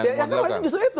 ya ya maksudnya justru itu